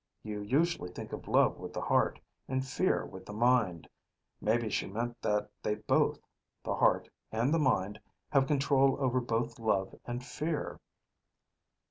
You usually think of love with the heart, and fear with the mind. Maybe she meant that they both, the heart and the mind, have control over both love and fear."